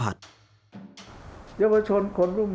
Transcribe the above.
ภาคอีสานแห้งแรง